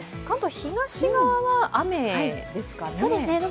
関東は東側は雨ですかね？